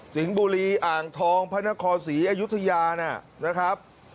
บุรีอ่างทองพระนครศรีอยุธยานะครับ